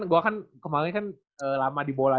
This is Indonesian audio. iya gue kan kemaren kan lama di bola